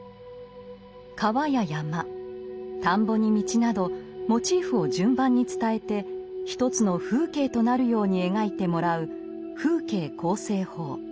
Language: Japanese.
川や山田んぼに道などモチーフを順番に伝えて一つの風景となるように描いてもらう「風景構成法」。